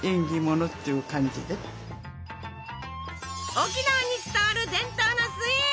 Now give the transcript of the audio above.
沖縄に伝わる伝統のスイーツ！